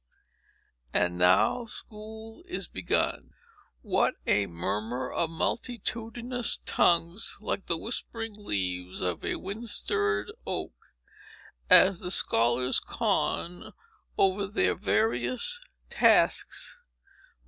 And now school is begun. What a murmur of multitudinous tongues, like the whispering leaves of a wind stirred oak, as the scholars con over their various tasks!